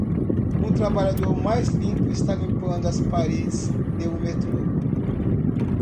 Um trabalhador mais limpo está limpando as paredes de um metrô.